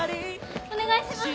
お願いします！